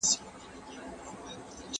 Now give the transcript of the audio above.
¬ چي نه کړې اېسکۍ، يا به خره کړې، يا به سپۍ.